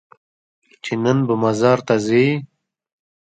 چې نن به مزار ته ځې؟